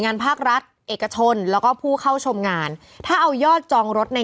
ภาครัฐเอกชนแล้วก็ผู้เข้าชมงานถ้าเอายอดจองรถใน